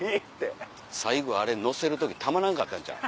最後あれのせる時たまらんかったんちゃう？